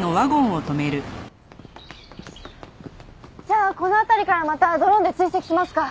じゃあこの辺りからまたドローンで追跡しますか。